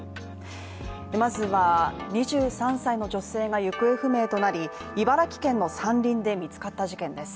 まずは２３歳の女性が行方不明となり、茨城県の山林で見つかった事件です